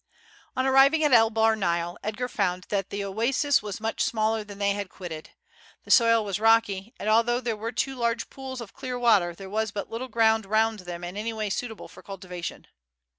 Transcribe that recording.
On arriving at El Bahr Nile Edgar found that the oasis was much smaller than that they had quitted. The soil was rocky, and although there were two large pools of clear water there was but little ground round them in any way suitable for cultivation.